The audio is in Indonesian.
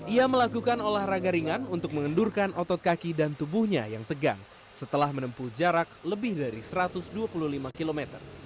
ia melakukan olahraga ringan untuk mengendurkan otot kaki dan tubuhnya yang tegang setelah menempuh jarak lebih dari satu ratus dua puluh lima km